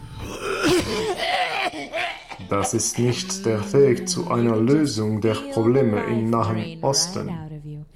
Das ist nicht der Weg zu einer Lösung der Probleme im Nahen Osten.